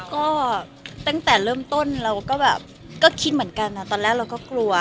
ก็ตั้งแต่เริ่มต้นเราก็แบบก็คิดเหมือนกันตอนแรกเราก็กลัว